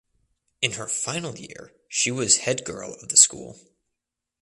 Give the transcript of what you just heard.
In her final year she was head girl of the school.